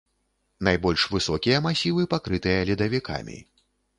Найбольш высокія масівы пакрытыя ледавікамі.